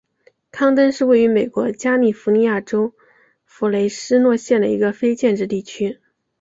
康登是位于美国加利福尼亚州弗雷斯诺县的一个非建制地区。